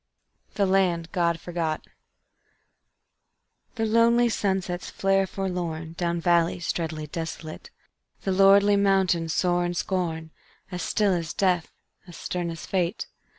The Land God Forgot The lonely sunsets flare forlorn Down valleys dreadly desolate; The lordly mountains soar in scorn As still as death, as stern as fate.